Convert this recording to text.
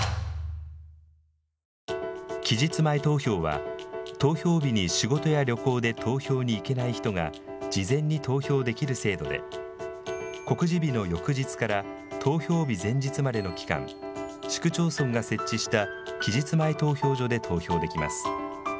期日前投票は、投票日に仕事や旅行で投票に行けない人が事前に投票できる制度で告示日の翌日から投票日前日までの期間、市区町村が設置した期日前投票所で投票できます。